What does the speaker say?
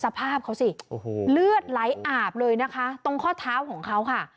สภาพเขาสิโอ้โหเลือดไหลอาบเลยนะคะตรงข้อเท้าของเขาค่ะ